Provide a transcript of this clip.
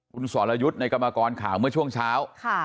คุณสรยุทธ์ในกรรมกรข่าวเมื่อช่วงเช้า